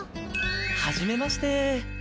はじめまして。